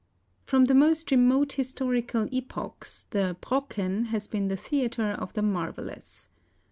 From the most remote historical epochs, the Brocken has been the theatre of the marvellous.